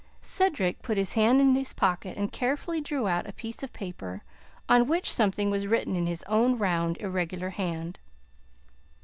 Cedric put his hand in his pocket and carefully drew out a piece of paper, on which something was written in his own round, irregular hand.